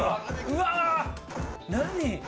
うわ！何？